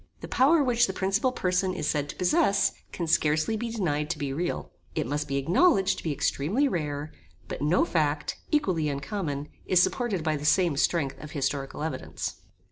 The power which the principal person is said to possess can scarcely be denied to be real. It must be acknowledged to be extremely rare; but no fact, equally uncommon, is supported by the same strength of historical evidence.